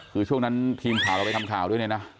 คือช่วงนั้นทีมข่าวเราไปทำข่าวด้วยเนี่ยนะ